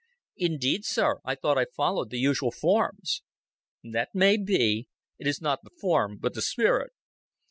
"Indeed, sir. I thought I followed the usual forms." "That may be. It is not the form, but the spirit.